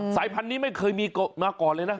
สายพันธุ์นี้ไม่เคยมีมาก่อนเลยนะ